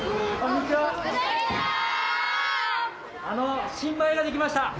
あの新米ができました。